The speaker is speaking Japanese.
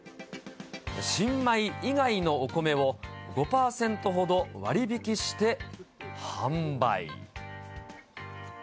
新米以外のお米を５％ほど割引して販売。